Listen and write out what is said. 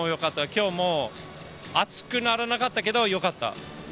今日も熱くならなかったけどよかった。